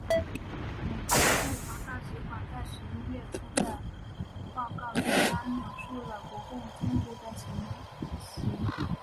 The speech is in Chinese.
美国驻华大使馆在十一月初的报告简单描述了国共冲突的情形。